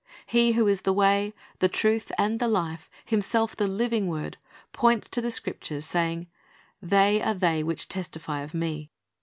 He who is the Way, the Truth, and the Life, Himself the living Word, points to the Scriptures, saying, "They are they which testify of Me."